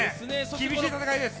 厳しい戦いです。